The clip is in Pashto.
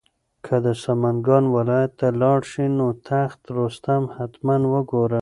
که د سمنګان ولایت ته لاړ شې نو تخت رستم حتماً وګوره.